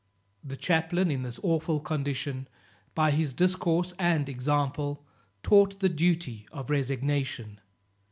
The chaplain, in this awful condition, by his discourse and example, taught the duty of resignation.